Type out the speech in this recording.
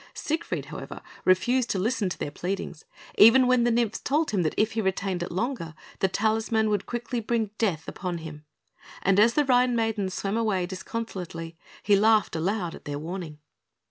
Siegfried, however, refused to listen to their pleadings, even when the nymphs told him that if he retained it longer, the talisman would quickly bring death upon him; and as the Rhine maidens swam away disconsolately, he laughed aloud at their warning.